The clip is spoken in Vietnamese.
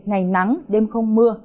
ngày nắng đêm không mưa